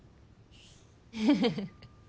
フフフ。